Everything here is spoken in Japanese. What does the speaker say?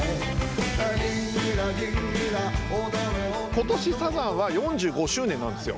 今年サザンは４５周年なんですよ。